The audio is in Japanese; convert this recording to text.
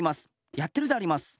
やってるであります。